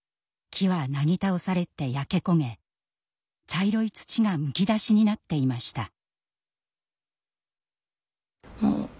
木はなぎ倒されて焼け焦げ茶色い土がむき出しになっていました。